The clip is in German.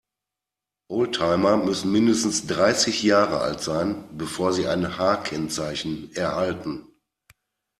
Oldtimer müssen mindestens dreißig Jahre alt sein, bevor sie ein H-Kennzeichen erhalten.